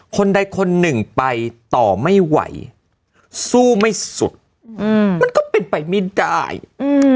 คนใดคนหนึ่งไปต่อไม่ไหวสู้ไม่สุดอืมมันก็เป็นไปไม่ได้อืม